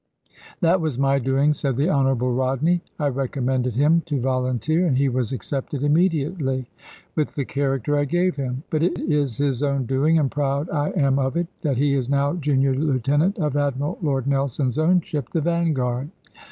"That was my doing," said the Honourable Rodney. "I recommended him to volunteer, and he was accepted immediately, with the character I gave him. But it is his own doing, and proud I am of it, that he is now junior lieutenant of Admiral Lord Nelson's own ship the Vanguard.